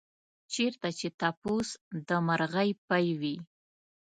چېرته چې تپوس د مرغۍ پۍ وي.